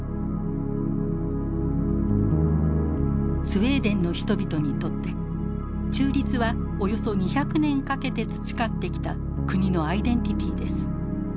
スウェーデンの人々にとって「中立」はおよそ２００年かけて培ってきた国のアイデンティティーです。